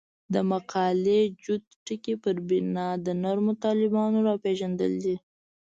د مقالې جوت ټکی پر بنا د نرمو طالبانو راپېژندل دي.